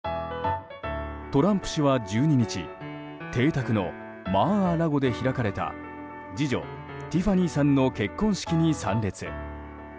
トランプ氏は１２日邸宅のマー・ア・ラゴで開かれた次女ティファニーさんの結婚式に参列。